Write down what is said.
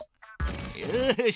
よし。